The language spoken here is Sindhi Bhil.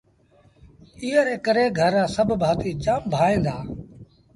ايئي ري ڪري گھر رآ سڀ ڀآتيٚ جآم ڀائيٚݩ دآ